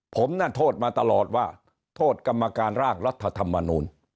ผมน่ะโทษมาตลอดว่าโทษกรรมการร่างรัฐธรรมนูล